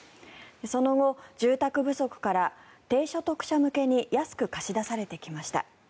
その後、住宅不足から低所得者向けに安く貸し出されてきました。